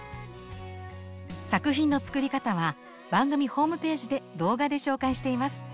作品の作り方は番組ホームページで動画で紹介しています。